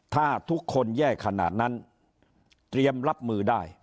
ถ้าทุกคนแย่ขนาดนั้นเตรียมรับมือได้